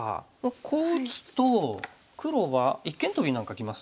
こう打つと黒は一間トビなんかきます？